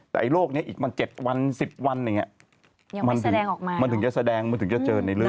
แต่โรคนี้อีกมัน๗วัน๑๐วันอย่างนี้มันถึงจะแสดงมันถึงจะเจอในเลือด